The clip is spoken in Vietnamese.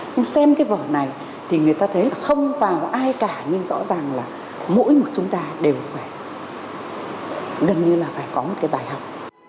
nhưng xem cái vở này thì người ta thấy là không vào ai cả nhưng rõ ràng là mỗi một chúng ta đều phải gần như là phải có một cái bài học